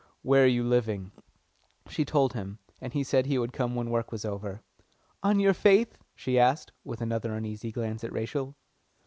"Where are you living?" She told him, and he said he would come when work was over. "On your faith?" she asked, with another uneasy glance at Rachel.